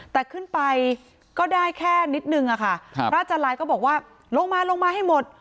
แต่ขึ้นไปก็ได้แค่นิดนึงอะค่ะพระอาจารย์ลายก็บอกว่าลงมาลงมาให้หมด